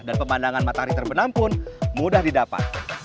pemandangan matahari terbenam pun mudah didapat